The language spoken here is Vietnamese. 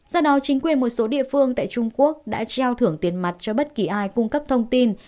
do đó chính quyền một số địa phương tại trung quốc đã treo thưởng tiền mặt cho bất kỳ ai cung cấp thông tin